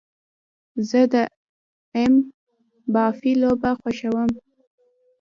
زه د ایم با في لوبه مې خوښیږي